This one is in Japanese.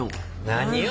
何を。